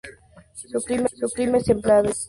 Su clima es templado y sano.